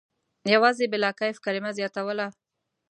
یوازې «بلاکیف» کلمه زیاتوله.